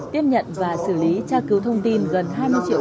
tiếp nhận và xử lý tra cứu thông tin gần hai mươi triệu